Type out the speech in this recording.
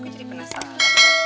gue jadi penasaran